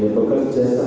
ini pekerja saja